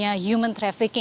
tapi penyerangan filipin